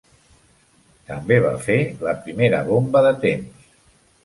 També va fer la primera bomba de temps.